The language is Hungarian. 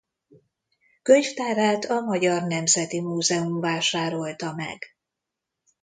Könyvtárát a Magyar Nemzeti Múzeum vásárolta meg.